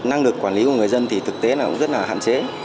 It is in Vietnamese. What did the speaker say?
năng lực quản lý của người dân thực tế rất hạn chế